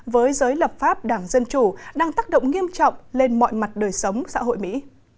với giới lập pháp đảng dân chủ đang tác động nghiêm trọng lên mọi mặt đời sống xã hội mỹ